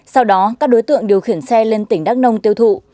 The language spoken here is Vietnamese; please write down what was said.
sau đó các đối tượng điều khiển xe lên tỉnh đắk nông tiêu thụ